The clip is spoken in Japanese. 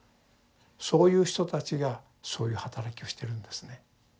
そういう人たちがそういうはたらきをしてるんですね。